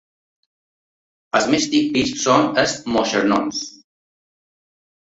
Els més típics són els moixernons.